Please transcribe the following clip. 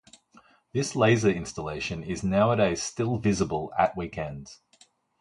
This laser installation is nowadays still visible at weekends.